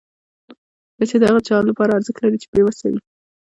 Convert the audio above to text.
پېسې د هغه چا لپاره ارزښت لري چې بېوسه وي.